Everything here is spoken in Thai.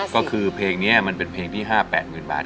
ก็คือเพลงนี้มันเป็นเพลงที่ห้าแปดหมื่นบาท